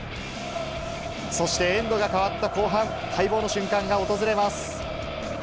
そしてエンドが変わった後半、待望の瞬間が訪れます。